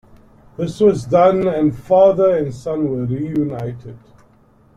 This was done, and father and son were reunited.